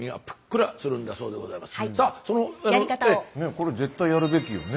これ絶対やるべきよね。